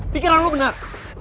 pikiran lu benar